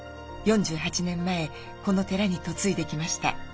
４８年前この寺に嫁いできました。